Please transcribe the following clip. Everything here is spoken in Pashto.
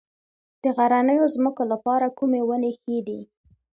د غرنیو ځمکو لپاره کومې ونې ښې دي؟